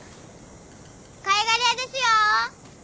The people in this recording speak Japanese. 貝殻屋ですよ。